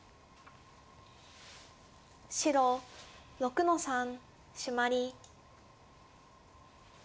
白６の三シマリ。